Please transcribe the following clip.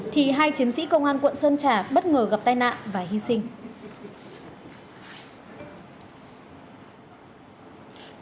thì hai chiến sĩ công an quận sơn trà bất ngờ gặp tai nạn và hy sinh